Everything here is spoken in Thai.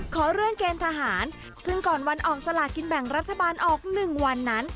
ขอเลื่อนเกณฑ์ทหารซึ่งก่อนวันออกสลากินแบ่งรัฐบาลออก๑วันนั้น